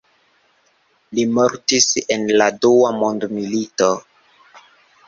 Li mortis en la Dua Mondmilito.